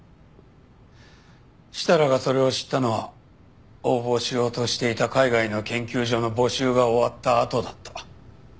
設楽がそれを知ったのは応募しようとしていた海外の研究所の募集が終わったあとだった。